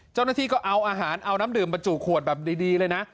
เจ้าหน้าที่ก็เอาอาหารเอาน้ำดื่มบรรจุขวดแบบดีเลยนะ